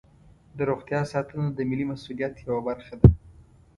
د روغتیا ساتنه د ملي مسؤلیت یوه برخه ده.